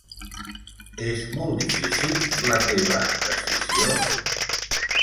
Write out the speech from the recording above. És molt difícil, la teva decisió?